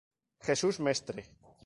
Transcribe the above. Jesús Mestre.